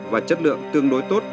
và chất lượng tương đối tốt